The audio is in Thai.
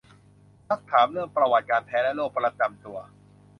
ซักถามเรื่องประวัติการแพ้และโรคประจำตัว